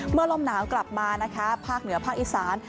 ลมหนาวกลับมานะคะภาคเหนือภาคอีสาน